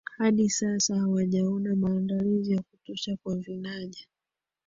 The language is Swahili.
Hadi sasa hawajaona maandalizi ya kutosha kwa vinaja